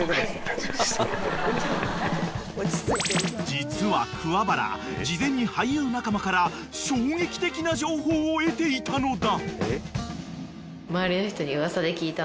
［実は桑原事前に俳優仲間から衝撃的な情報を得ていたのだ］